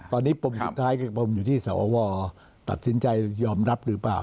ตอนนี้ปมสุดท้ายคือปมอยู่ที่สวตัดสินใจยอมรับหรือเปล่า